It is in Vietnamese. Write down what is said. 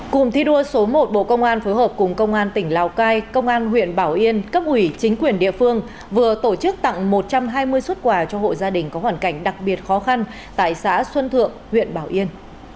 cụm thi đua số một bộ công an phối hợp cùng công an tỉnh lào cai công an huyện bảo yên cấp ủy chính quyền địa phương vừa tổ chức tặng một trăm hai mươi xuất quà cho hộ gia đình có hoàn cảnh đặc biệt khó khăn tại xã xuân thượng huyện bảo yên